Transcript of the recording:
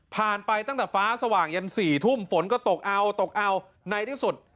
ไปตั้งแต่ฟ้าสว่างยัน๔ทุ่มฝนก็ตกเอาตกเอาในที่สุด